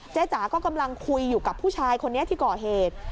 จ๋าก็กำลังคุยอยู่กับผู้ชายคนนี้ที่ก่อเหตุ